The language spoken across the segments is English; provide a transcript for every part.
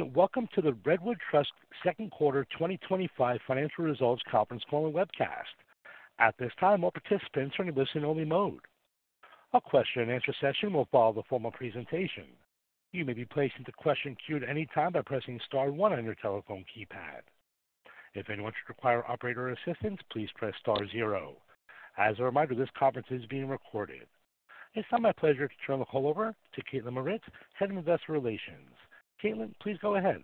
Welcome to the Redwood Trust Second Quarter 2025 Financial Results Conference Call and webcast. At this time, all participants are in a listen-only mode. A question-and-answer session will follow the formal presentation. You may be placed into the question queue at any time by pressing star one on your telephone keypad. If anyone should require operator assistance, please press star zero. As a reminder, this conference is being recorded. It's now my pleasure to turn the call over to Kaitlyn Mauritz, Head of Investor Relations. Kaitlyn, please go ahead.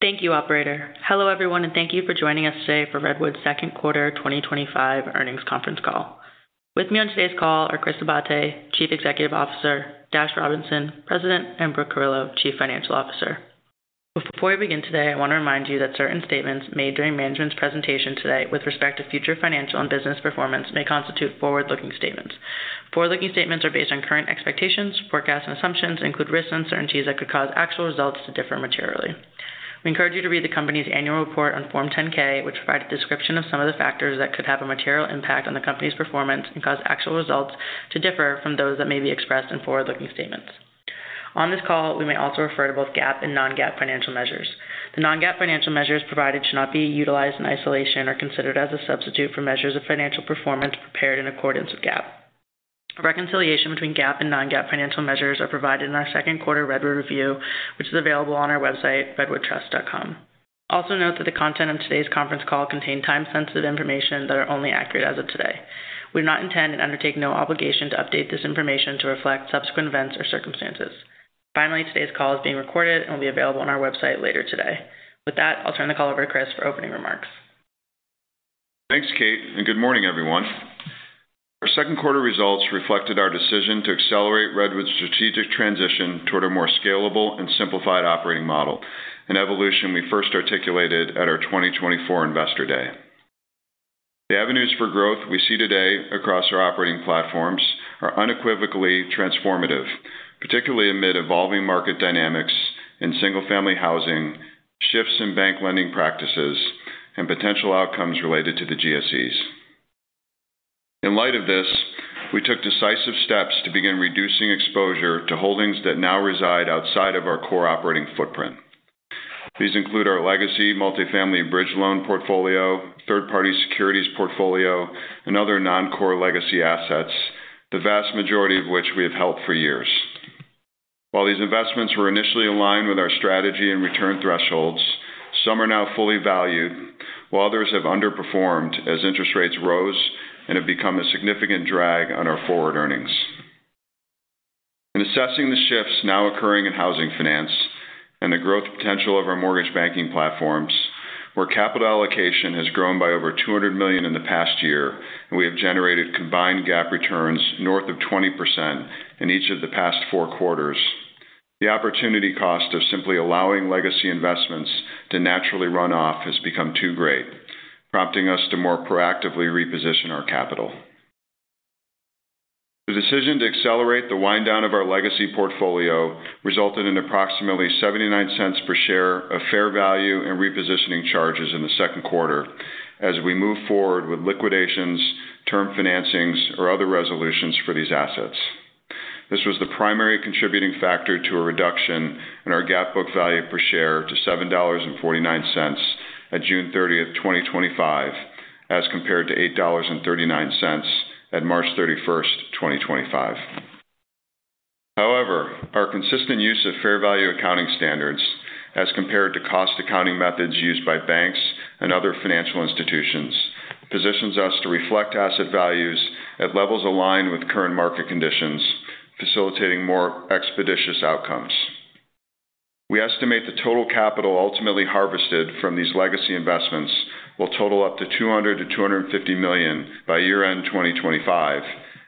Thank you, Operator. Hello, everyone, and thank you for joining us today for Redwood Trust's Second Quarter 2025 Earnings Conference Call. With me on today's call are Chris Abate, CEO, Dash Robinson, President, and Brooke Carrillo, CFO. Before we begin today, I want to remind you that certain statements made during management's presentation today with respect to future financial and business performance may constitute forward-looking statements. Forward-looking statements are based on current expectations, forecasts, and assumptions, and include risks and uncertainties that could cause actual results to differ materially. We encourage you to read the company's annual report on Form 10-K, which provides a description of some of the factors that could have a material impact on the company's performance and cause actual results to differ from those that may be expressed in forward-looking statements. On this call, we may also refer to both GAAP and non-GAAP financial measures. The non-GAAP financial measures provided should not be utilized in isolation or considered as a substitute for measures of financial performance prepared in accordance with GAAP. A reconciliation between GAAP and non-GAAP financial measures is provided in our Second Quarter Redwood Review, which is available on our website, redwoodtrust.com. Also note that the content of today's conference call contains time-sensitive information that is only accurate as of today. We do not intend, and undertake no obligation to update this information to reflect subsequent events or circumstances. Finally, today's call is being recorded and will be available on our website later today. With that, I'll turn the call over to Chris for opening remarks. Thanks, Kate, and good morning, everyone. Our second-quarter results reflected our decision to accelerate Redwood Trust's strategic transition toward a more scalable and simplified operating model, an evolution we first articulated at our 2024 Investor Day. The avenues for growth we see today across our operating platforms are unequivocally transformative, particularly amid evolving market dynamics in single-family housing, shifts in bank lending practices, and potential outcomes related to the GSEs. In light of this, we took decisive steps to begin reducing exposure to holdings that now reside outside of our core operating footprint. These include our legacy multifamily bridge loan portfolio, third-party securities portfolio, and other non-core legacy assets, the vast majority of which we have held for years. While these investments were initially aligned with our strategy and return thresholds, some are now fully valued, while others have underperformed as interest rates rose and have become a significant drag on our forward earnings. In assessing the shifts now occurring in housing finance and the growth potential of our mortgage banking platforms, where capital allocation has grown by over $20 million in the past year, and we have generated combined GAAP returns north of 20% in each of the past four quarters, the opportunity cost of simply allowing legacy investments to naturally run off has become too great, prompting us to more proactively reposition our capital. The decision to accelerate the wind-down of our legacy portfolio resulted in approximately $0.79 per share of fair value and repositioning charges in the second quarter as we move forward with liquidations, term financings, or other resolutions for these assets. This was the primary contributing factor to a reduction in our GAAP book value per share to $7.49 at June 30th, 2025, as compared to $8.39 at March 31st, 2025. However, our consistent use of fair value accounting standards, as compared to cost accounting methods used by banks and other financial institutions, positions us to reflect asset values at levels aligned with current market conditions, facilitating more expeditious outcomes. We estimate the total capital ultimately harvested from these legacy investments will total up to $200-$250 million by year-end 2025,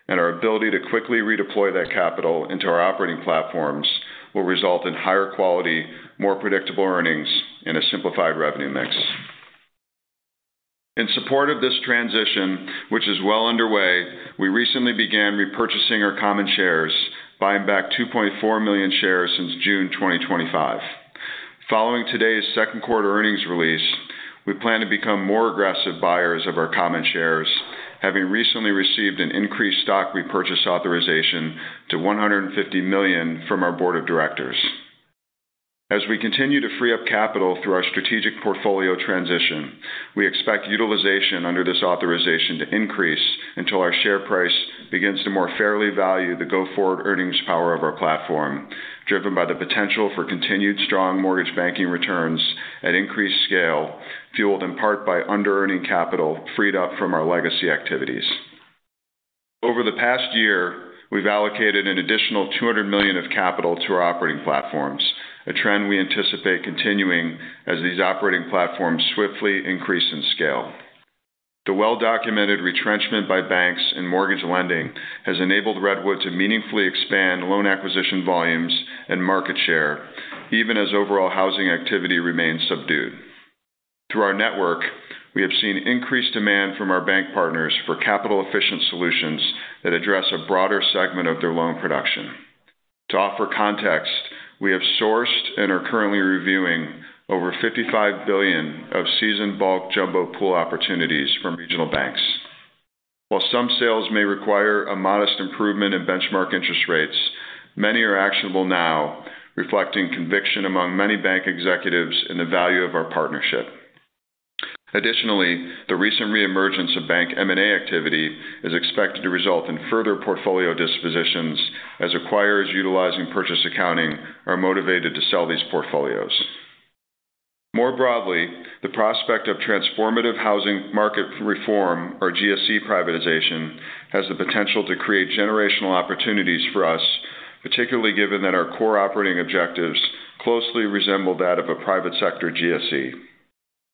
and our ability to quickly redeploy that capital into our operating platforms will result in higher-quality, more predictable earnings and a simplified revenue mix. In support of this transition, which is well underway, we recently began repurchasing our common shares, buying back 2.4 million shares since June 2025. Following today's second-quarter earnings release, we plan to become more aggressive buyers of our common shares, having recently received an increased stock repurchase authorization to $150 million from our board of directors. As we continue to free up capital through our strategic portfolio transition, we expect utilization under this authorization to increase until our share price begins to more fairly value the go-forward earnings power of our platform, driven by the potential for continued strong mortgage banking returns at increased scale, fueled in part by under-earning capital freed up from our legacy activities. Over the past year, we've allocated an additional $200 million of capital to our operating platforms, a trend we anticipate continuing as these operating platforms swiftly increase in scale. The well-documented retrenchment by banks in mortgage lending has enabled Redwood to meaningfully expand loan acquisition volumes and market share, even as overall housing activity remains subdued. Through our network, we have seen increased demand from our bank partners for capital-efficient solutions that address a broader segment of their loan production. To offer context, we have sourced and are currently reviewing over $55 billion of seasoned bulk jumbo pool opportunities from regional banks. While some sales may require a modest improvement in benchmark interest rates, many are actionable now, reflecting conviction among many bank executives in the value of our partnership. Additionally, the recent re-emergence of bank M&A activity is expected to result in further portfolio dispositions as acquirers utilizing purchase accounting are motivated to sell these portfolios. More broadly, the prospect of transformative housing market reform or GSE privatization has the potential to create generational opportunities for us, particularly given that our core operating objectives closely resemble that of a private sector GSE.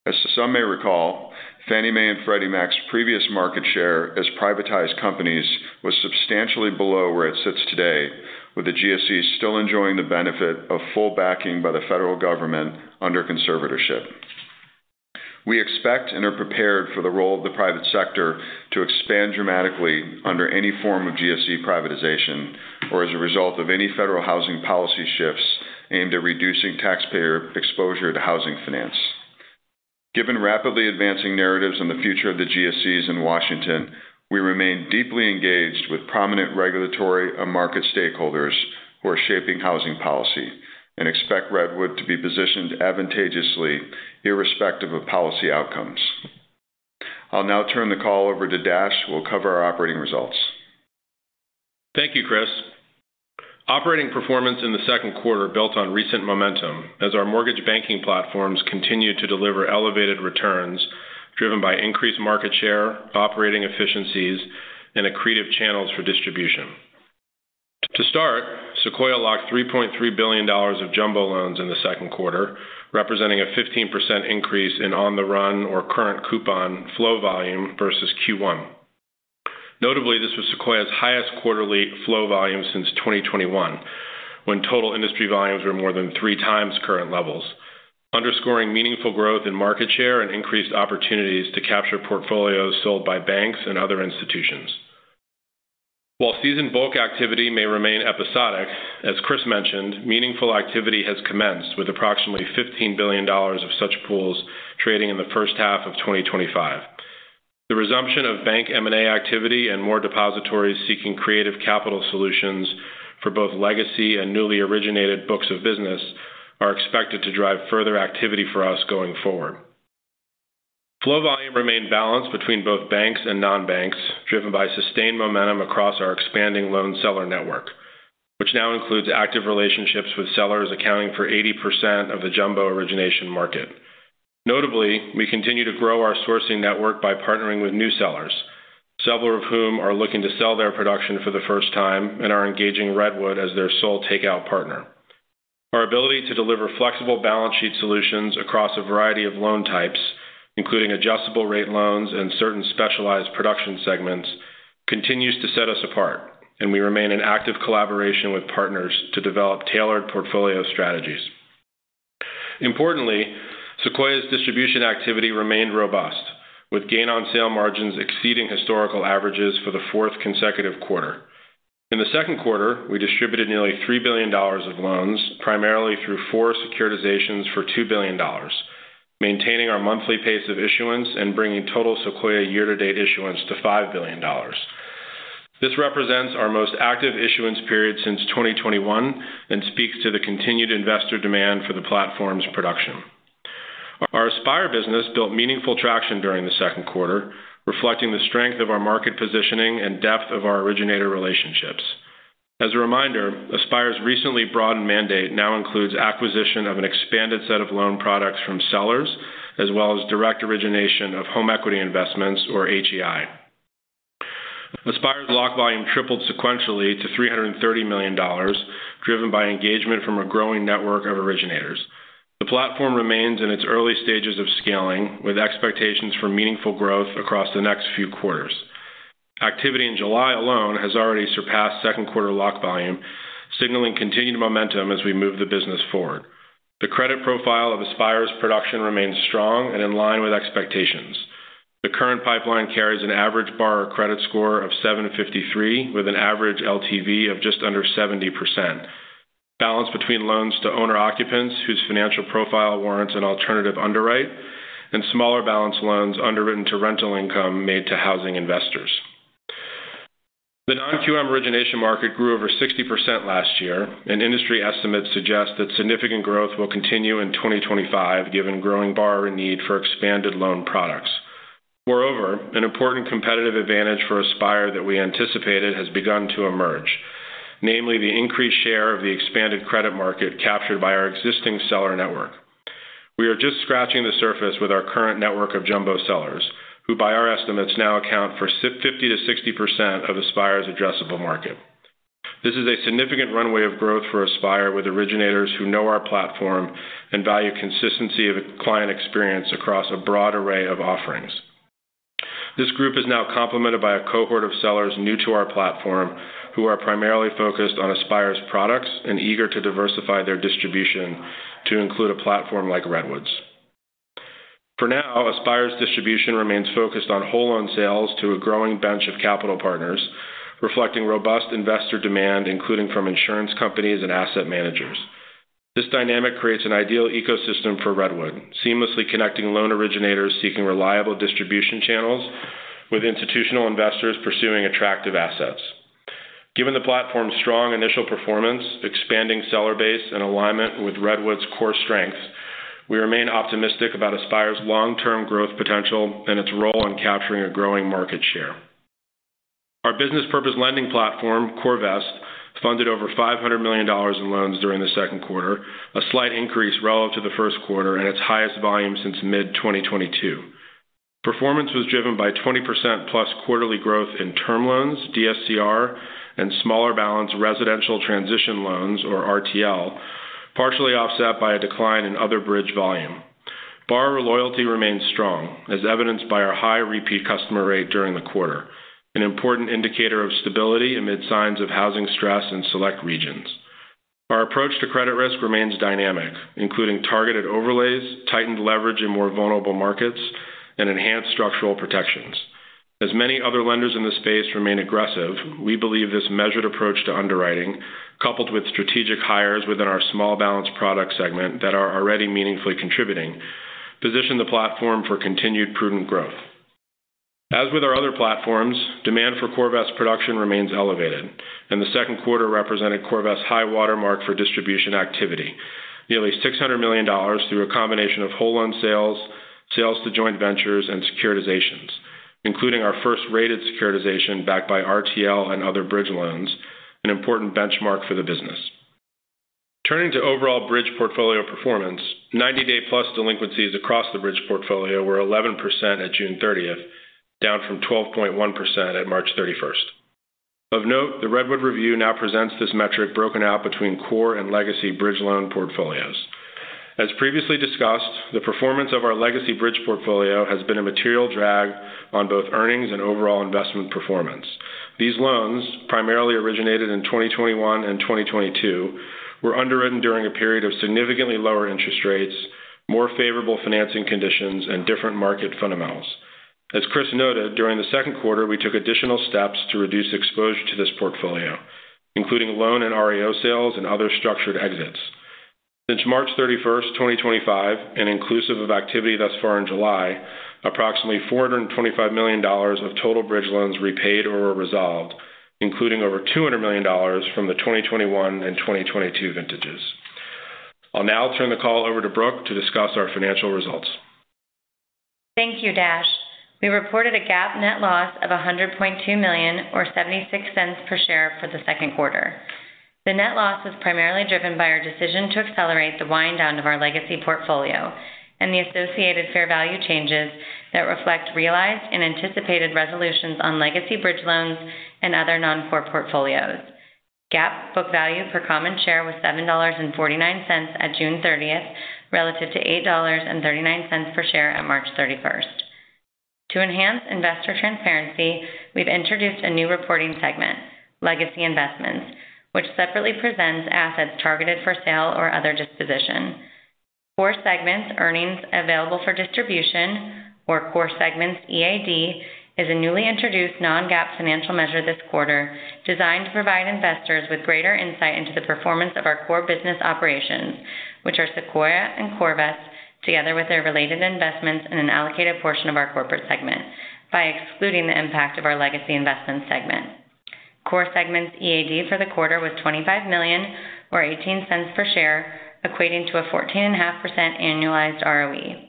As some may recall, Fannie Mae & Freddie Mac's previous market share as privatized companies was substantially below where it sits today, with the GSE still enjoying the benefit of full backing by the federal government under conservatorship. We expect and are prepared for the role of the private sector to expand dramatically under any form of GSE privatization or as a result of any federal housing policy shifts aimed at reducing taxpayer exposure to housing finance. Given rapidly advancing narratives on the future of the GSEs in Washington, we remain deeply engaged with prominent regulatory and market stakeholders who are shaping housing policy and expect Redwood Trust to be positioned advantageously, irrespective of policy outcomes. I'll now turn the call over to Dash, who will cover our operating results. Thank you, Chris. Operating performance in the second quarter built on recent momentum as our mortgage banking platforms continue to deliver elevated returns driven by increased market share, operating efficiencies, and accretive channels for distribution. To start, Sequoia locked $3.3 billion of jumbo loans in the second quarter, representing a 15% increase in on-the-run or current-coupon flow volume versus Q1. Notably, this was Sequoia's highest quarterly flow volume since 2021, when total industry volumes were more than three times current levels, underscoring meaningful growth in market share and increased opportunities to capture portfolios sold by banks and other institutions. While seasoned bulk activity may remain episodic, as Chris mentioned, meaningful activity has commenced with approximately $15 billion of such pools trading in the first half of 2025. The resumption of bank M&A activity and more depositories seeking creative capital solutions for both legacy and newly originated books of business are expected to drive further activity for us going forward. Flow volume remained balanced between both banks and non-banks, driven by sustained momentum across our expanding loan seller network, which now includes active relationships with sellers accounting for 80% of the jumbo origination market. Notably, we continue to grow our sourcing network by partnering with new sellers, several of whom are looking to sell their production for the first time and are engaging Redwood as their sole takeout partner. Our ability to deliver flexible balance sheet solutions across a variety of loan types, including adjustable rate loans and certain specialized production segments, continues to set us apart, and we remain in active collaboration with partners to develop tailored portfolio strategies. Importantly, Sequoia's distribution activity remained robust, with Gain-on-Sale Margins exceeding historical averages for the fourth consecutive quarter. In the second quarter, we distributed nearly $3 billion of loans, primarily through four securitizations for $2 billion, maintaining our monthly pace of issuance and bringing total Sequoia year-to-date issuance to $5 billion. This represents our most active issuance period since 2021 and speaks to the continued investor demand for the platform's production. Our Aspire business built meaningful traction during the second quarter, reflecting the strength of our market positioning and depth of our originator relationships. As a reminder, Aspire's recently broadened mandate now includes acquisition of an expanded set of loan products from sellers, as well as direct origination of home equity investments, or HEI. Aspire's lock volume tripled sequentially to $330 million, driven by engagement from a growing network of originators. The platform remains in its early stages of scaling, with expectations for meaningful growth across the next few quarters. Activity in July alone has already surpassed second-quarter lock volume, signaling continued momentum as we move the business forward. The credit profile of Aspire's production remains strong and in line with expectations. The current pipeline carries an average borrower credit score of 753, with an average LTV of just under 70%. Balance between loans to owner occupants, whose financial profile warrants an alternative underwrite, and smaller balance loans underwritten to rental income made to housing investors. The Non-QM origination market grew over 60% last year, and industry estimates suggest that significant growth will continue in 2025, given growing borrower need for expanded loan products. Moreover, an important competitive advantage for Aspire that we anticipated has begun to emerge, namely the increased share of the expanded credit market captured by our existing seller network. We are just scratching the surface with our current network of jumbo sellers, who, by our estimates, now account for 50%-60% of Aspire's addressable market. This is a significant runway of growth for Aspire, with originators who know our platform and value consistency of client experience across a broad array of offerings. This group is now complemented by a cohort of sellers new to our platform, who are primarily focused on Aspire's products and eager to diversify their distribution to include a platform like Redwood's. For now, Aspire's distribution remains focused on whole loan sales to a growing bench of capital partners, reflecting robust investor demand, including from insurance companies and asset managers. This dynamic creates an ideal ecosystem for Redwood, seamlessly connecting loan originators seeking reliable distribution channels with institutional investors pursuing attractive assets. Given the platform's strong initial performance, expanding seller base, and alignment with Redwood's core strengths, we remain optimistic about Aspire's long-term growth potential and its role in capturing a growing market share. Our business purpose lending platform, CoreVest, funded over $500 million in loans during the second quarter, a slight increase relative to the first quarter and its highest volume since mid-2022. Performance was driven by 20% plus quarterly growth in term loans, DSCR, and smaller-balance residential transition loans, or RTL, partially offset by a decline in other bridge volume. Borrower loyalty remains strong, as evidenced by our high repeat customer rate during the quarter, an important indicator of stability amid signs of housing stress in select regions. Our approach to credit risk remains dynamic, including targeted overlays, tightened leverage in more vulnerable markets, and enhanced structural protections. As many other lenders in this space remain aggressive, we believe this measured approach to underwriting, coupled with strategic hires within our small balance product segment that are already meaningfully contributing, positions the platform for continued prudent growth. As with our other platforms, demand for CoreVest's production remains elevated, and the second quarter represented CoreVest's high watermark for distribution activity, nearly $600 million through a combination of whole loan sales, sales to joint ventures, and securitizations, including our first rated securitization backed by RTL and other bridge loans, an important benchmark for the business. Turning to overall bridge portfolio performance, 90-day plus delinquencies across the bridge portfolio were 11% at June 30th, down from 12.1% at March 31st. Of note, the Redwood Review now presents this metric broken out between core and legacy bridge loan portfolios. As previously discussed, the performance of our legacy bridge portfolio has been a material drag on both earnings and overall investment performance. These loans, primarily originated in 2021-2022, were underwritten during a period of significantly lower interest rates, more favorable financing conditions, and different market fundamentals. As Chris noted, during the second quarter, we took additional steps to reduce exposure to this portfolio, including loan and REO sales and other structured exits. Since March 31st, 20202523, and inclusive of activity thus far in July, approximately $425 million of total bridge loans repaid or were resolved, including over $200 million from the 2021-2022 vintages. I'll now turn the call over to Brooke to discuss our financial results. Thank you, Dash. We reported a GAAP net loss of $100.2 million or $0.76 per share for the second quarter. The net loss was primarily driven by our decision to accelerate the wind-down of our legacy portfolio and the associated fair value changes that reflect realized and anticipated resolutions on legacy bridge loans and other non-core portfolios. GAAP book value per common share was $7.49 at June 30th, relative to $8.39 per share at March 31st. To enhance investor transparency, we've introduced a new reporting segment, Legacy Investments, which separately presents assets targeted for sale or other disposition. Core segments' earnings available for distribution, or core segments EAD, is a newly introduced non-GAAP financial measure this quarter, designed to provide investors with greater insight into the performance of our core business operations, which are Sequoia and CoreVest, together with their related investments in an allocated portion of our corporate segment, by excluding the impact of our Legacy Investments segment. Core Segments EAD for the quarter was $25 million or $0.18 per share, equating to a 14.5% annualized ROE.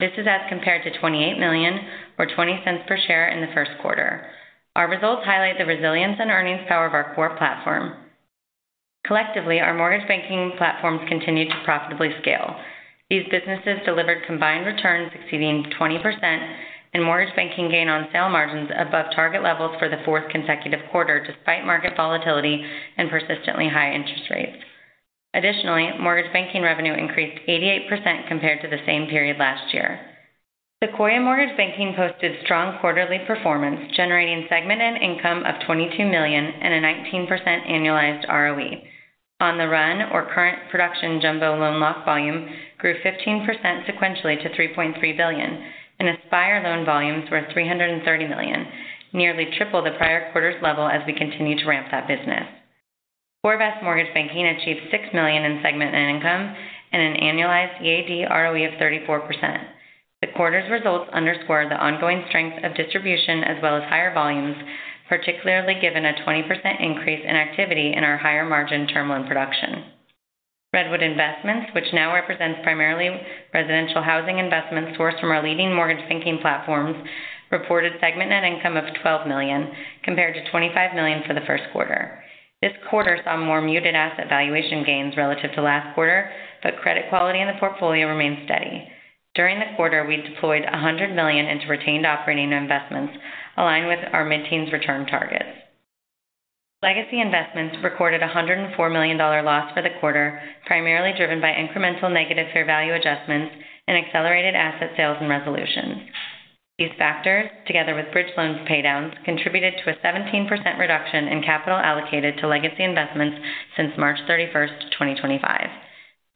This is as compared to $28 million or $0.20 per share in the first quarter. Our results highlight the resilience and earnings power of our core platform. Collectively, our mortgage banking platforms continue to profitably scale. These businesses delivered combined returns exceeding 20% and mortgage banking Gain-on-Sale Margins above target levels for the fourth consecutive quarter, despite market volatility and persistently high interest rates. Additionally, mortgage banking revenue increased 88% compared to the same period last year. Sequoia mortgage banking posted strong quarterly performance, generating segment net income of $22 million and a 19% annualized ROE. On the run, our current production jumbo loan lock volume grew 15% sequentially to $2.3 billion, and Aspire loan volumes were $330 million, nearly triple the prior quarter's level as we continue to ramp that business. CoreVest mortgage banking achieved $6 million in segment net income and an annualized EAD ROE of 34%. The quarter's results underscore the ongoing strength of distribution as well as higher volumes, particularly given a 20% increase in activity in our higher-margin term loan production. Redwood Investments, which now represents primarily residential housing investments sourced from our leading mortgage banking platforms, reported segment net income of $12 million compared to $25 million for the first quarter. This quarter saw more muted asset valuation gains relative to last quarter, but credit quality in the portfolio remains steady. During the quarter, we deployed $100 million into retained operating investments, aligned with our mid-teens return targets. Legacy Investments recorded a $104 million loss for the quarter, primarily driven by incremental Fannie Mae & Freddie Mac fair value adjustments and accelerated asset sales and resolution. These factors, together with bridge loan paydowns, contributed to a 17% reduction in capital allocated to legacy investments since March 31st, 2025.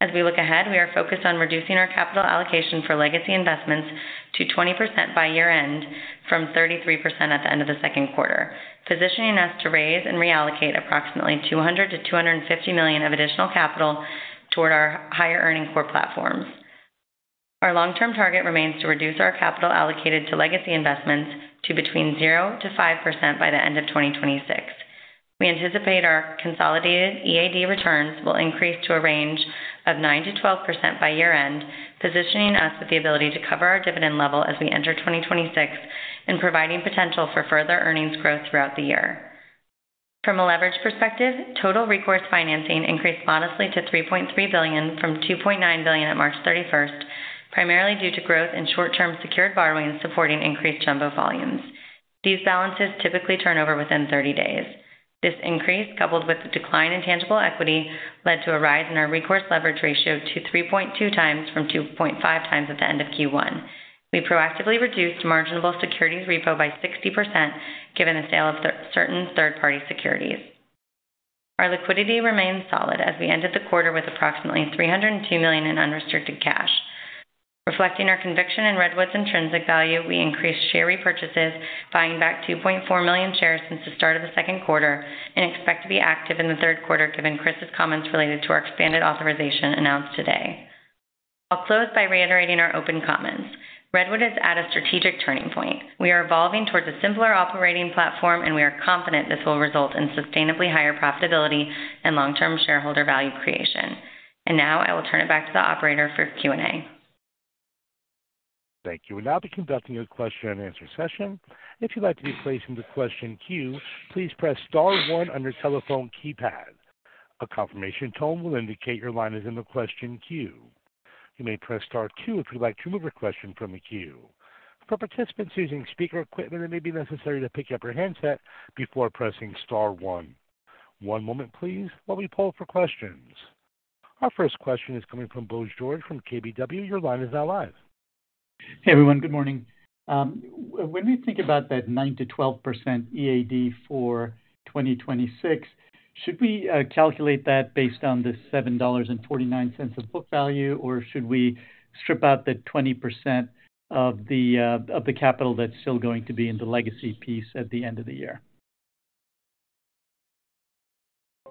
As we look ahead, we are focused on reducing our capital allocation for legacy investments to 20% by year-end, from 33% at the end of the second quarter, positioning us to raise and reallocate approximately $200 million-$250 million of additional capital toward our higher-earning core platforms. Our long-term target remains to reduce our capital allocated to legacy investments to between 0%-5% by the end of 2026. We anticipate our consolidated EAD returns will increase to a range of 9%-12% by year-end, positioning us with the ability to cover our dividend level as we enter 2026 and providing potential for further earnings growth throughout the year. From a leverage perspective, total recourse financing increased modestly to $3.3 billion from $2.9 billion at March 31st, primarily due to growth in short-term secured borrowings supporting increased jumbo volumes. These balances typically turn over within 30 days. This increase, coupled with the decline in tangible equity, led to a rise in our recourse leverage ratio to 3.2 x-2.5 x at the end of Q1. We proactively reduced marginable securities repo by 60%, given the sale of certain third-party securities. Our liquidity remains solid as we ended the quarter with approximately $302 million in unrestricted cash. Reflecting our conviction in Redwood's intrinsic value, we increased share repurchases, buying back 2.4 million shares since the start of the second quarter, and expect to be active in the third quarter, given Chris's comments related to our expanded authorization announced today. I'll close by reiterating our open comments. Redwood is at a strategic turning point. We are evolving towards a simpler operating platform, and we are confident this will result in sustainably higher profitability and long-term shareholder value creation. I will turn it back to the operator for Q&A. Thank you. We'll now be conducting a question-and-answer session. If you'd like to be placed in the question queue, please press star one on your telephone keypad. A confirmation tone will indicate your line is in the question queue. You may press star two if you'd like to remove a question from the queue. For participants using speaker equipment, it may be necessary to pick up your handset before pressing star one. One moment, please, while we poll for questions. Our first question is coming from Bose George from KBW. Your line is now live. Hey, everyone. Good morning. When we think about that 9%-12% EAD for 2026, should we calculate that based on the $7.49 of book value, or should we strip out the 20% of the capital that's still going to be in the legacy piece at the end of the year?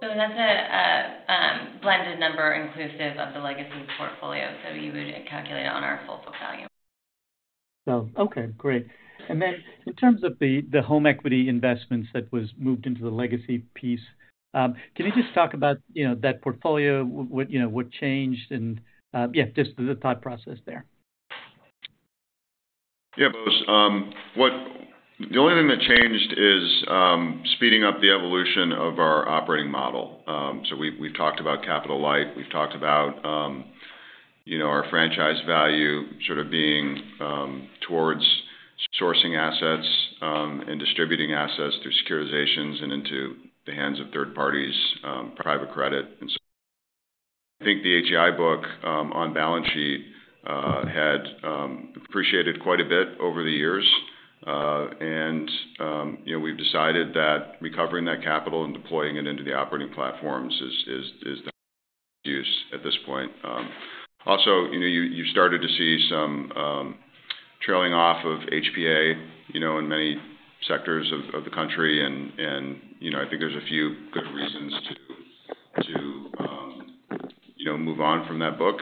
That's a blended number inclusive of the legacy portfolio. You would calculate it on our full book value. Okay. Great. In terms of the home equity investments that were moved into the legacy piece, can you just talk about that portfolio, what changed, and just the thought process there? Yeah, the only thing that changed is speeding up the evolution of our operating model. We've talked about capital light. We've talked about our franchise value sort of being towards sourcing assets and distributing assets through securitizations and into the hands of third parties, private credit. I think the HEI book on balance sheet had appreciated quite a bit over the years. We've decided that recovering that capital and deploying it into the operating platforms is the use at this point. Also, you've started to see some trailing off of HPA in many sectors of the country. I think there's a few good reasons to move on from that book.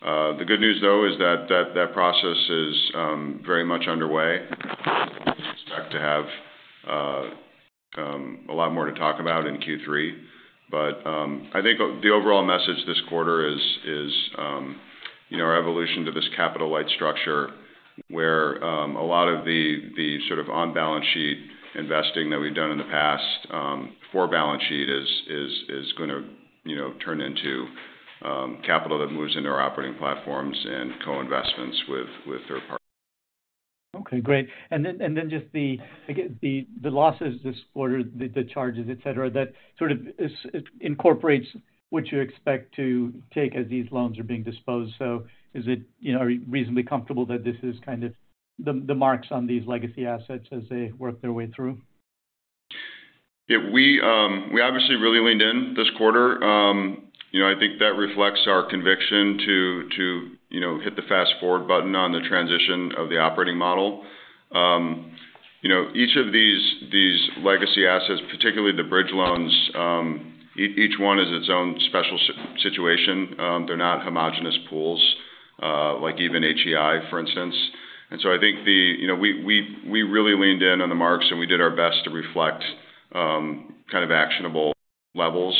The good news, though, is that process is very much underway. I expect to have a lot more to talk about in Q3. I think the overall message this quarter is our evolution to this capital light structure, where a lot of the sort of on-balance sheet investing that we've done in the past for balance sheet is going to turn into capital that moves into our operating platforms and co-investments with third parties. Okay, great. The losses this quarter, the charges, etc., that sort of incorporates what you expect to take as these loans are being disposed. Are you reasonably comfortable that this is kind of the marks on these legacy assets as they work their way through? Yeah, we obviously really leaned in this quarter. I think that reflects our conviction to hit the fast-forward button on the transition of the operating model. Each of these legacy assets, particularly the multifamily bridge loans, each one is its own special situation. They're not homogenous pools like even home equity investments, for instance. I think we really leaned in on the marks, and we did our best to reflect kind of actionable levels.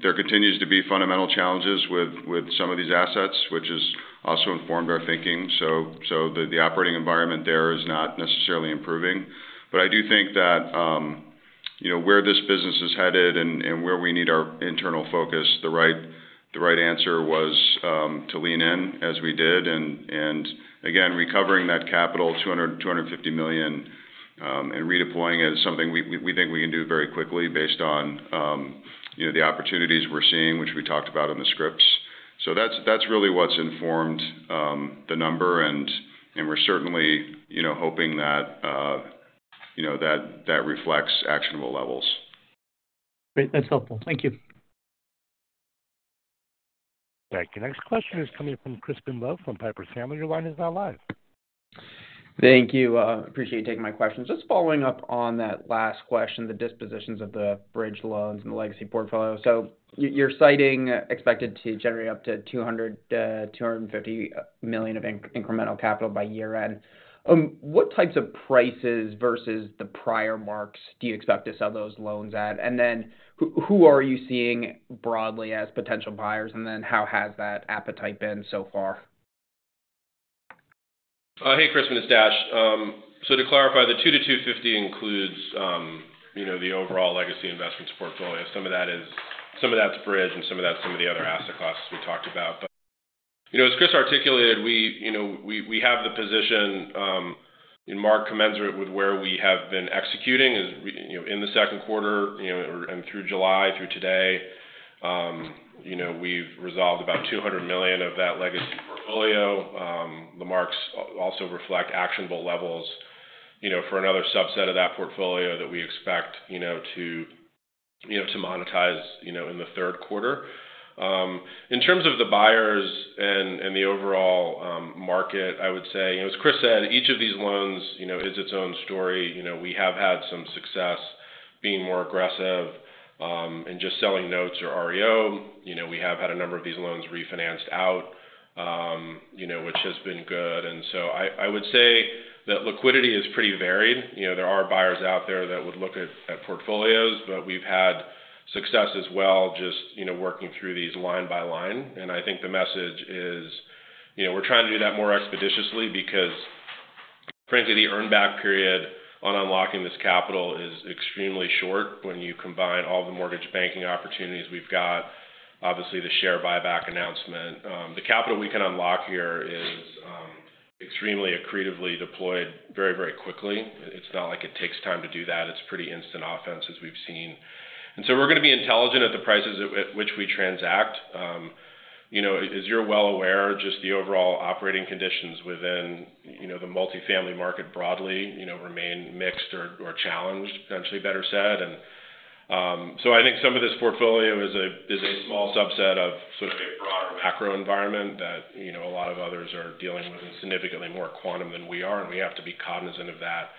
There continues to be fundamental challenges with some of these assets, which has also informed our thinking. The operating environment there is not necessarily improving. I do think that where this business is headed and where we need our internal focus, the right answer was to lean in as we did. Again, recovering that capital, $200 million-$250 million, and redeploying it is something we think we can do very quickly based on the opportunities we're seeing, which we talked about in the scripts. That's really what's informed the number. We're certainly hoping that that reflects actionable levels. Great. That's helpful. Thank you. Thank you. Next question is coming from Crispin Love from Piper Sandler, and your line is now live. Thank you. Appreciate you taking my questions. Just following up on that last question, the dispositions of the bridge loans and the legacy portfolio. You're citing expected to generate up to $200 million-$250 million of incremental capital by year-end. What types of prices versus the prior marks do you expect to sell those loans at? Who are you seeing broadly as potential buyers? How has that appetite been so far? Hey, Chris. It's Dash. To clarify, the $200 million-$250 million includes the overall legacy investments portfolio. Some of that is bridge, and some of that is some of the other asset classes we talked about. As Chris articulated, we have the position and mark commensurate with where we have been executing in the second quarter and through July, through today. We've resolved about $200 million of that legacy portfolio. The marks also reflect actionable levels for another subset of that portfolio that we expect to monetize in the third quarter. In terms of the buyers and the overall market, I would say, as Chris said, each of these loans is its own story. We have had some success being more aggressive and just selling notes or REO. We have had a number of these loans refinanced out, which has been good. I would say that liquidity is pretty varied. There are buyers out there that would look at portfolios, but we've had success as well just working through these line by line. I think the message is we're trying to do that more expeditiously because, frankly, the earn-back period on unlocking this capital is extremely short when you combine all the mortgage banking opportunities we've got, obviously, the share buyback announcement. The capital we can unlock here is extremely accretively deployed very, very quickly. It's not like it takes time to do that. It's pretty instant offense, as we've seen. We're going to be intelligent at the prices at which we transact. As you're well aware, the overall operating conditions within the multifamily market broadly remain mixed or challenged, potentially better said. I think some of this portfolio is a small subset of the macro environment that a lot of others are dealing with in significantly more quantum than we are. We have to be cognizant of that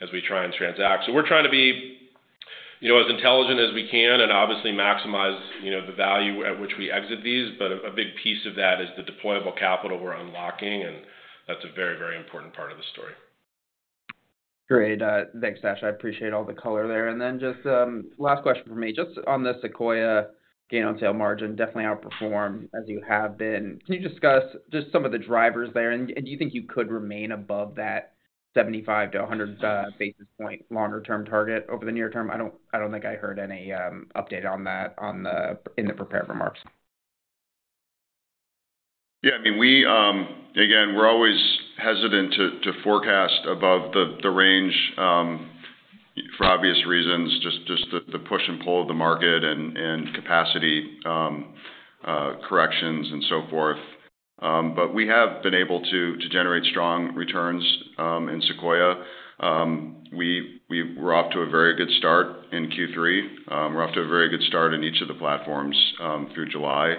as we try and transact. We're trying to be as intelligent as we can and obviously maximize the value at which we exit these. A big piece of that is the deployable capital we're unlocking, and that's a very, very important part of the story. Great. Thanks, Dash. I appreciate all the color there. Just last question from me, on the Sequoia gain-on-sale margin, definitely outperform as you have been. Can you discuss some of the drivers there? Do you think you could remain above that 75 basis points-100 basis points longer-term target over the near term? I don't think I heard any update on that in the prepared remarks. Yeah, I mean, we're always hesitant to forecast above the range for obvious reasons, just the push and pull of the market and capacity corrections and so forth. We have been able to generate strong returns in Sequoia. We were off to a very good start in Q3. We're off to a very good start in each of the platforms through July.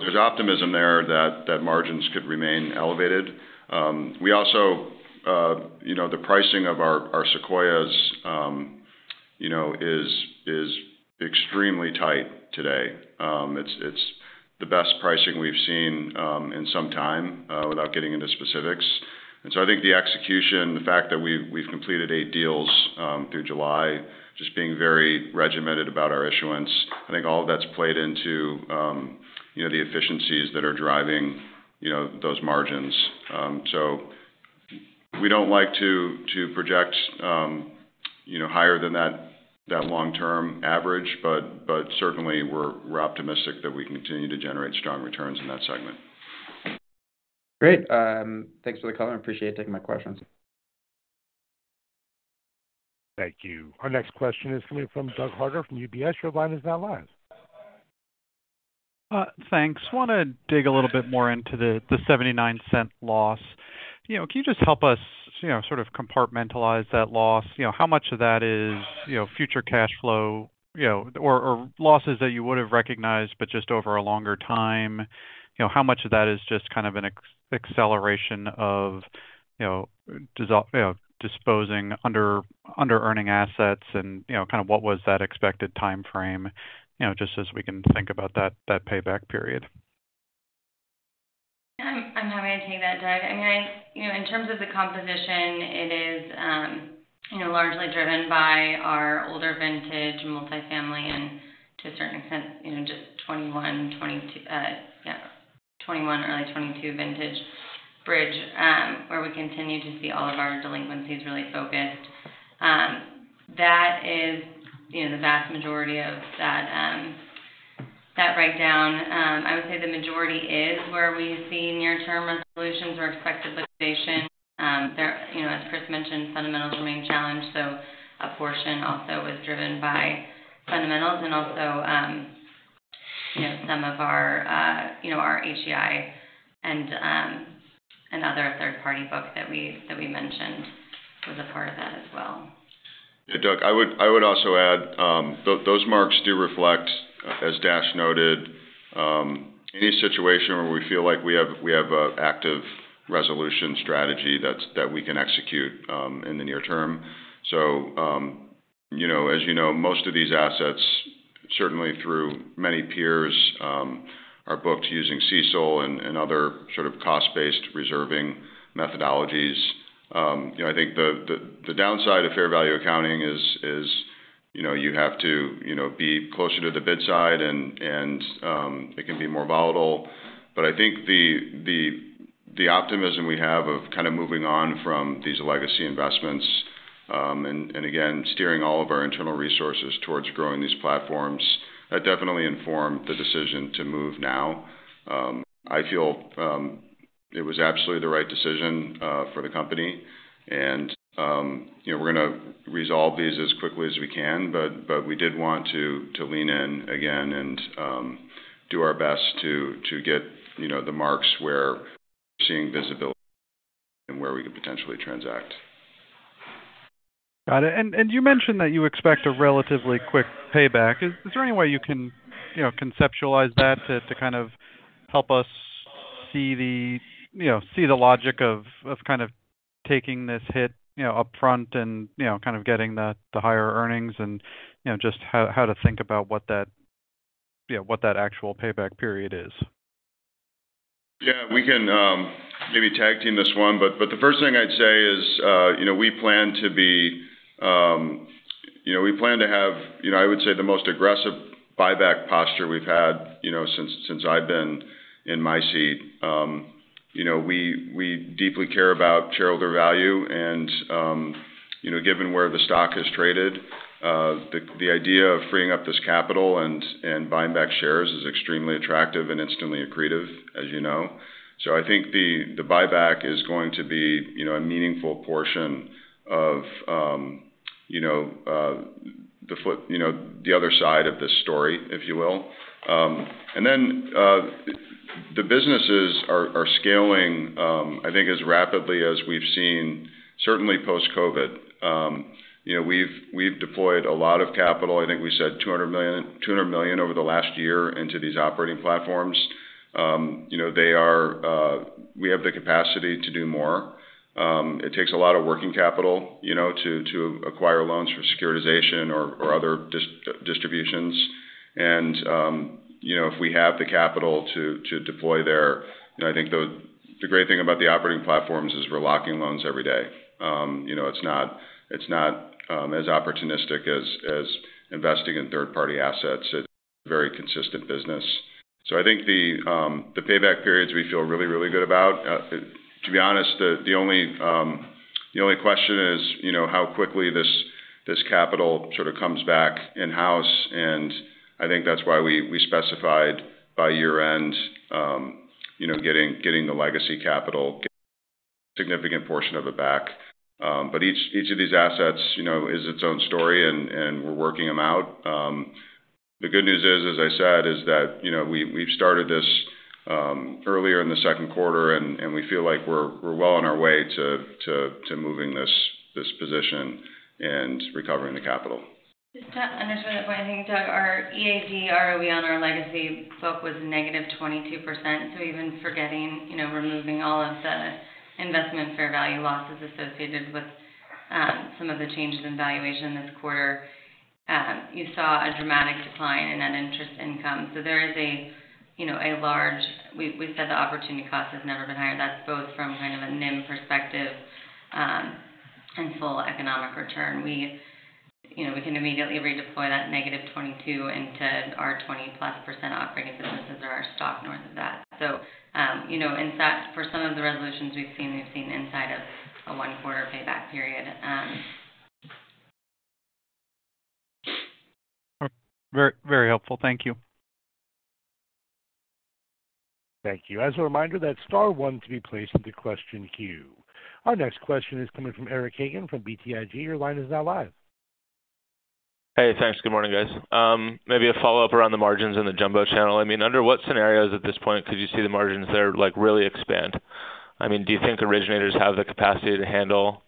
There's optimism there that margins could remain elevated. The pricing of our Sequoias is extremely tight today. It's the best pricing we've seen in some time without getting into specifics. I think the execution, the fact that we've completed eight deals through July, just being very regimented about our issuance, all of that's played into the efficiencies that are driving those margins. We don't like to project higher than that long-term average, but certainly, we're optimistic that we can continue to generate strong returns in that segment. Great. Thanks for the call. I appreciate you taking my questions. Thank you. Our next question is coming from Doug Harter from UBS. Your line is now live. Thanks. I want to dig a little bit more into the $0.79 loss. Can you just help us sort of compartmentalize that loss? How much of that is future cash flow or losses that you would have recognized, but just over a longer time? How much of that is just kind of an acceleration of disposing under-earning assets? What was that expected timeframe, just so we can think about that payback period? I'm happy to take that, Doug. In terms of the composition, it is largely driven by our older vintage multifamily and, to a certain extent, just 2021-2022 vintage bridge, where we continue to see all of our delinquencies really focused. That is the vast majority of that breakdown. I would say the majority is where we see near-term resolutions or expected liquidation. As Chris mentioned, fundamentals remain challenged. A portion also was driven by fundamentals, and also some of our home equity investments and other third-party securities that we mentioned was a part of that as well. Yeah, Doug, I would also add those marks do reflect, as Dash noted, any situation where we feel like we have an active resolution strategy that we can execute in the near term. As you know, most of these assets, certainly through many peers, are booked using and other sort of cost-based reserving methodologies. I think the downside of fair value accounting is you have to be closer to the bid side, and it can be more volatile. I think the optimism we have of kind of moving on from these legacy investments and, again, steering all of our internal resources towards growing these platforms, that definitely informed the decision to move now. I feel it was absolutely the right decision for the company. We're going to resolve these as quickly as we can, but we did want to lean in again and do our best to get the marks where we're seeing visibility and where we could potentially transact. You mentioned that you expect a relatively quick payback. Is there any way you can conceptualize that to help us see the logic of taking this hit upfront and getting the higher earnings, and just how to think about what that actual payback period is? We can maybe tag team this one. The first thing I'd say is we plan to have, I would say, the most aggressive buyback posture we've had since I've been in my seat. We deeply care about shareholder value. Given where the stock has traded, the idea of freeing up this capital and buying back shares is extremely attractive and instantly accretive, as you know. I think the buyback is going to be a meaningful portion of the other side of this story, if you will. The businesses are scaling, I think, as rapidly as we've seen, certainly post-COVID. We've deployed a lot of capital. I think we said $200 million over the last year into these operating platforms. We have the capacity to do more. It takes a lot of working capital to acquire loans for securitization or other distributions. If we have the capital to deploy there, I think the great thing about the operating platforms is we're locking loans every day. It's not as opportunistic as investing in third-party assets. It's a very consistent business. I think the payback periods we feel really, really good about. To be honest, the only question is how quickly this capital sort of comes back in-house. I think that's why we specified by year-end getting the legacy capital, significant portion of it, back. Each of these assets is its own story, and we're working them out. The good news is, as I said, we've started this earlier in the second quarter, and we feel like we're well on our way to moving this position and recovering the capital. Just to understand the point, I think, Doug, our EAD ROE on our legacy book was -22%. Even forgetting removing all of the investment fair value losses associated with some of the changes in valuation this quarter, you saw a dramatic decline in that interest income. There is a large, we said the opportunity cost has never been higher. That's both from kind of a NIM perspective and full economic return. We can immediately redeploy that -22% into our 20+% operating businesses or our stock north of that. For some of the resolutions we've seen, we've seen inside of a one-quarter payback period. Very, very helpful. Thank you. Thank you. As a reminder, that's star one to be placed into the question queue. Our next question is coming from Eric Hagen from BTIG. Your line is now live. Hey, thanks. Good morning, guys. Maybe a follow-up around the margins in the jumbo channel. Under what scenarios at this point could you see the margins there really expand? Do you think originators have the capacity to handle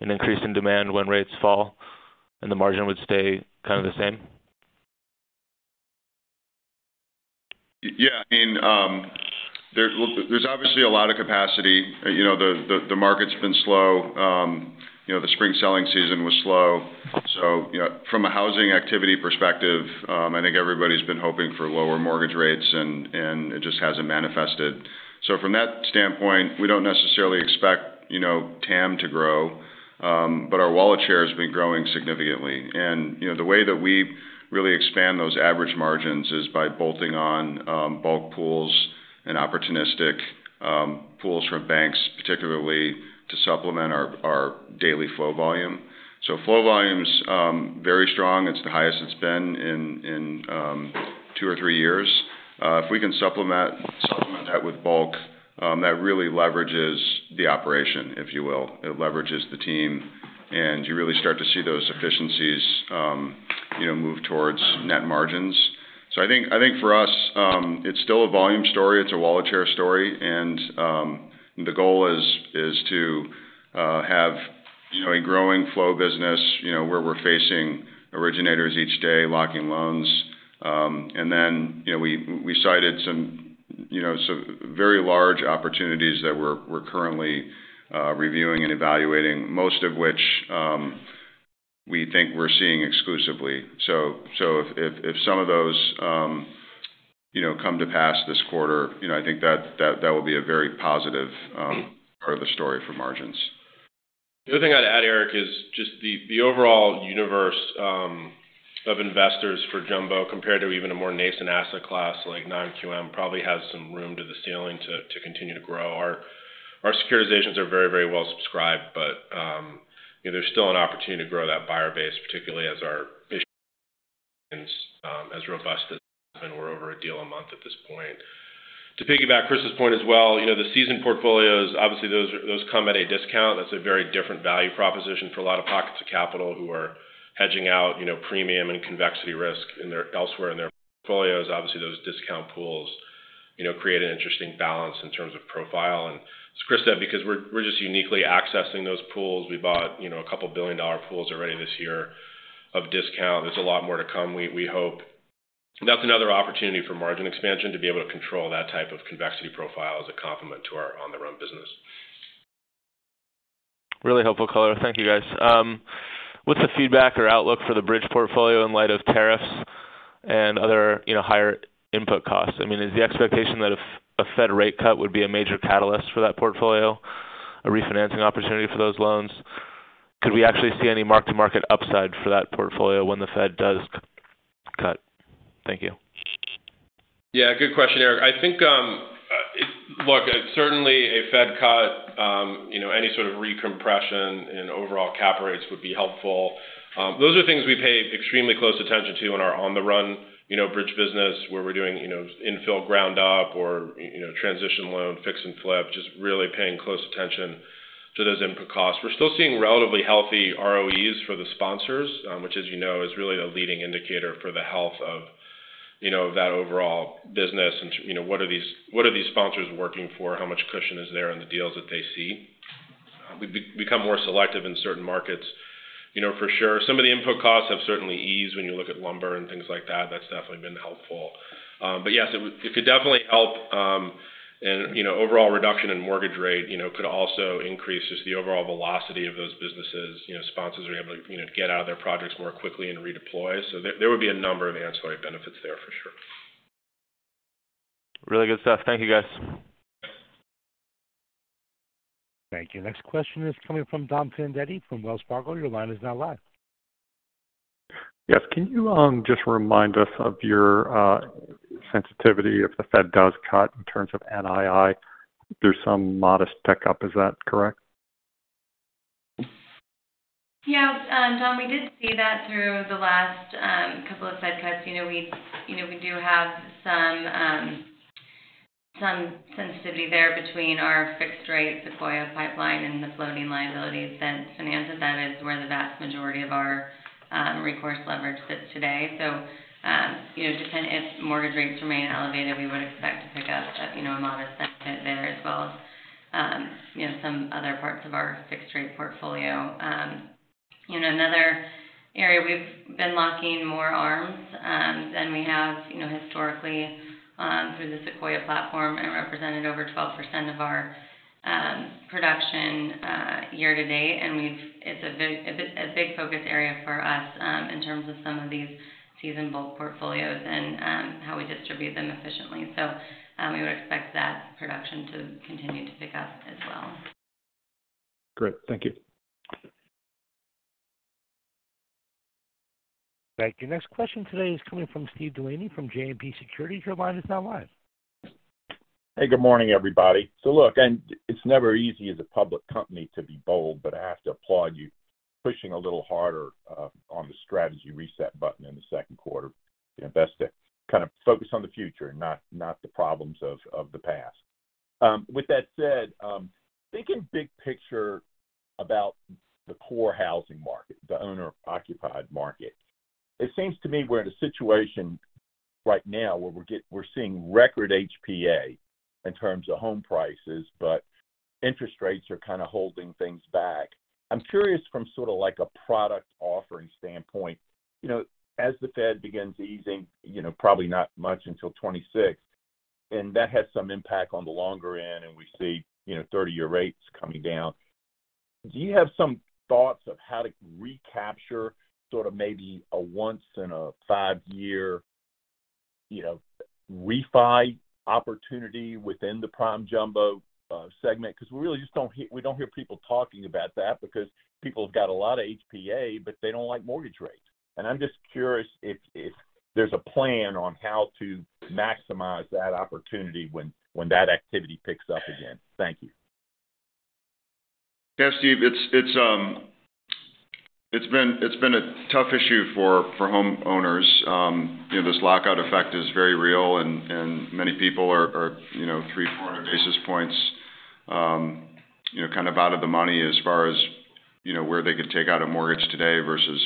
an increase in demand when rates fall and the margin would stay kind of the same? Yeah, I mean, there's obviously a lot of capacity. The market's been slow. The spring selling season was slow. From a housing activity perspective, I think everybody's been hoping for lower mortgage rates, and it just hasn't manifested. From that standpoint, we don't necessarily expect TAM to grow. Our wallet share has been growing significantly. The way that we really expand those average margins is by bolting on bulk pools and opportunistic pools from banks, particularly to supplement our daily flow volume. Flow volume's very strong. It's the highest it's been in two or three years. If we can supplement that with bulk, that really leverages the operation, if you will. It leverages the team, and you really start to see those efficiencies move towards net margins. I think for us, it's still a volume story. It's a wallet share story. The goal is to have a growing flow business where we're facing originators each day locking loans. We cited some very large opportunities that we're currently reviewing and evaluating, most of which we think we're seeing exclusively. If some of those come to pass this quarter, I think that will be a very positive part of the story for margins. The other thing I'd add, Eric, is just the overall universe of investors for jumbo compared to even a more nascent asset class like Non-QM, probably has some room to the ceiling to continue to grow. Our securitizations are very, very well subscribed, but there's still an opportunity to grow that buyer base, particularly as our issue is as robust as we're over a deal a month at this point. To piggyback Chris's point as well, the seasoned portfolios, obviously, those come at a discount. That's a very different value proposition for a lot of pockets of capital, who are hedging out premium and convexity risk elsewhere in their portfolios. Those discount pools create an interesting balance in terms of profile. As Chris said, because we're just uniquely accessing those pools, we bought a couple billion-dollar pools already this year of discount. There's a lot more to come, we hope. That's another opportunity for margin expansion to be able to control that type of convexity profile as a complement to our on-the-run business. Really helpful, caller. Thank you, guys. What's the feedback or outlook for the bridge portfolio in light of tariffs and other higher input costs? I mean, is the expectation that a Fed rate cut would be a major catalyst for that portfolio, a refinancing opportunity for those loans? Could we actually see any mark-to-market upside for that portfolio when the Fed does cut? Thank you. Yeah, good question, Eric. I think, look, certainly a Fed cut, you know, any sort of recompression in overall cap rates would be helpful. Those are things we pay extremely close attention to in our on-the-run bridge business where we're doing infill ground up or transition loans, fix and flip, just really paying close attention to those input costs. We're still seeing relatively healthy ROEs for the sponsors, which, as you know, is really a leading indicator for the health of that overall business. What are these sponsors working for? How much cushion is there in the deals that they see? We've become more selective in certain markets, you know, for sure. Some of the input costs have certainly eased when you look at lumber and things like that. That's definitely been helpful. Yes, it could definitely help. You know, overall reduction in mortgage rate, you know, could also increase just the overall velocity of those businesses. You know, sponsors are able to get out of their projects more quickly and redeploy. There would be a number of ancillary benefits there, for sure. Really good stuff. Thank you, guys. Thank you. Next question is coming from Donald Fandetti from Wells Fargo. Your line is now live. Yes. Can you just remind us of your sensitivity if the Fed does cut in terms of NII? There's some modest tick up. Is that correct? Yeah, Doug, we did see that through the last couple of Fed cuts. We do have some sensitivity there between our fixed-rate Sequoia pipeline and the floating liabilities that finance it. That is where the vast majority of our recourse leverage sits today. If mortgage rates remain elevated, we would expect to pick up a modest tech hit there as well as some other parts of our fixed-rate portfolio. Another area, we've been locking more ARMs than we have historically through the Sequoia platform and represented over 12% of our production year to date. It's a big focus area for us in terms of some of these seasoned bulk portfolios and how we distribute them efficiently. We would expect that production to continue to pick up as well. Great. Thank you. Thank you. Next question today is coming from Steve Delaney from JMP Securities. Your line is now live. Hey, good morning, everybody. It's never easy as a public company to be bold, but I have to applaud you pushing a little harder on the strategy reset button in the second quarter. Best to kind of focus on the future, not the problems of the past. With that said, thinking big picture about the core housing market, the owner-occupied market, it seems to me we're in a situation right now where we're seeing record HPA in terms of home prices, but interest rates are kind of holding things back. I'm curious from sort of like a product offering standpoint, as the Fed begins easing, probably not much until 2026, and that has some impact on the longer end, and we see 30-year rates coming down. Do you have some thoughts of how to recapture sort of maybe a once-in-a-five-year refi opportunity within the prime-jumbo segment? We really just don't hear people talking about that because people have got a lot of HPA, but they don't like mortgage rates. I'm just curious if there's a plan on how to maximize that opportunity when that activity picks up again. Thank you. Yeah, Steve, it's been a tough issue for homeowners. You know, this lockout effect is very real, and many people are 300 basis points-400 basis points kind of out of the money as far as where they could take out a mortgage today versus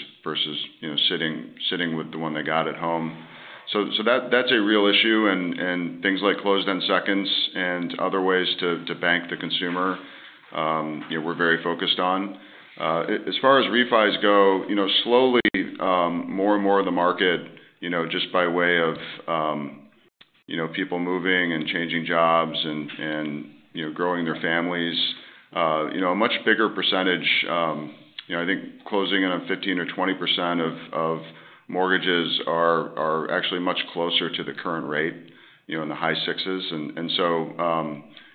sitting with the one they got at home. That's a real issue. Things like closed-in seconds and other ways to bank the consumer, we're very focused on. As far as refis go, slowly, more and more of the market, just by way of people moving and changing jobs and growing their families, a much bigger percentage, I think closing in on 15%-20% of mortgages are actually much closer to the current rate, in the high sixes.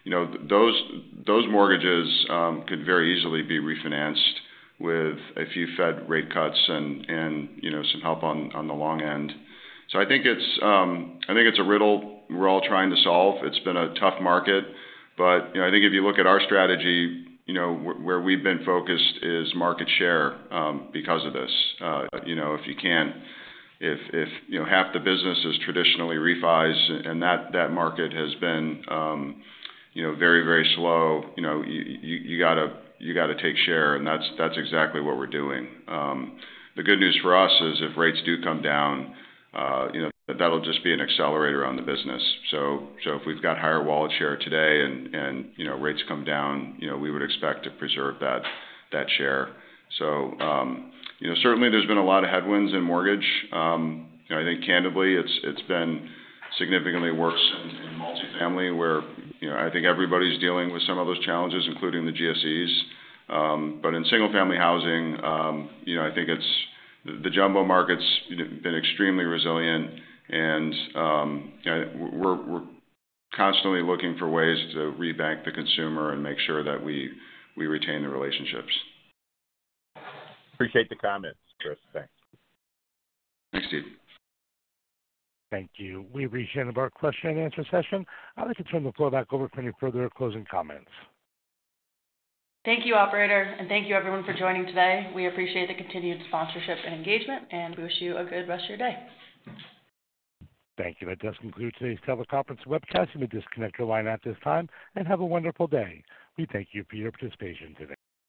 Those mortgages could very easily be refinanced with a few Fed rate cuts and some help on the long end. I think it's a riddle we're all trying to solve. It's been a tough market. I think if you look at our strategy, where we've been focused is market share because of this. If half the business is traditionally refis and that market has been very, very slow, you got to take share. That's exactly what we're doing. The good news for us is if rates do come down, that'll just be an accelerator on the business. If we've got higher wallet share today and rates come down, we would expect to preserve that share. Certainly, there's been a lot of headwinds in mortgage. I think, candidly, it's been significantly worse in multifamily where I think everybody's dealing with some of those challenges, including the GSEs. In single-family housing, I think the jumbo market's been extremely resilient. We're constantly looking for ways to rebank the consumer and make sure that we retain the relationships. Appreciate the comments, Chris. Thanks. Thanks, Steve. Thank you. We've reached the end of our question-and-answer session. I'd like to turn the floor back over for any further closing comments. Thank you, operator, and thank you, everyone, for joining today. We appreciate the continued sponsorship and engagement, and we wish you a good rest of your day. Thank you. That does conclude today's teleconference webcast. You may disconnect your line at this time and have a wonderful day. We thank you for your participation today.